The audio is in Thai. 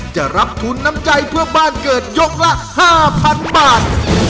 จะรับทุนน้ำใจเพื่อบ้านเกิดยกละ๕๐๐๐บาท